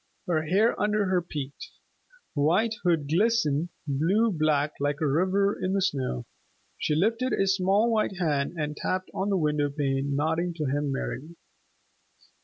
Her hair under her peaked, white hood glistened blue black like a river in the snow. She lifted a small white hand and tapped on the window pane, nodding to him merrily.